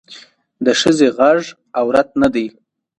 د ښخي غږ عورت نه دی